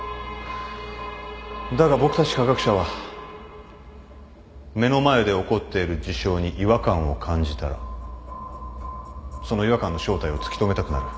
だが僕たち科学者は目の前で起こっている事象に違和感を感じたらその違和感の正体を突き止めたくなる。